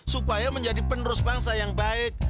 supaya menjadi penerus bangsa yang baik